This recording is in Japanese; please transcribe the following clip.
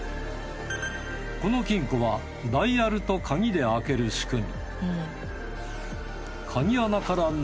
この金庫はダイヤルと鍵で開ける仕組み